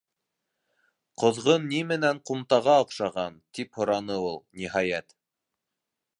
—Ҡоҙғон ни менән ҡумтаға оҡшаған? —тип һораны ул, ниһайәт.